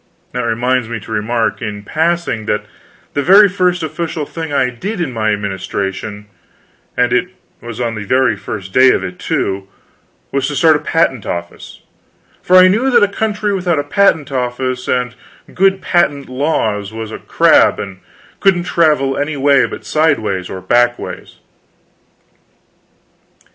That reminds me to remark, in passing, that the very first official thing I did, in my administration and it was on the very first day of it, too was to start a patent office; for I knew that a country without a patent office and good patent laws was just a crab, and couldn't travel any way but sideways or backways.